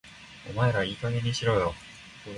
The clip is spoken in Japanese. お前らいい加減にしろよ